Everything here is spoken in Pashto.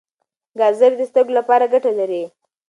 ګازرې د سترګو لپاره ګټه لري.